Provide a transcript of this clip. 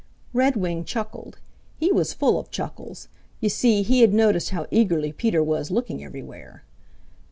Redwing chuckled. He was full of chuckles. You see, he had noticed how eagerly Peter was looking everywhere.